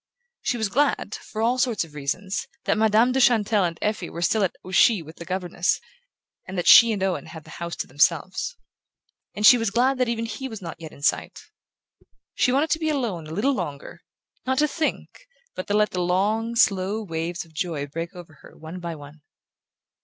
She was glad, for all sorts of reasons, that Madame de Chantelle and Effie were still at Ouchy with the governess, and that she and Owen had the house to themselves. And she was glad that even he was not yet in sight. She wanted to be alone a little longer; not to think, but to let the long slow waves of joy break over her one by one.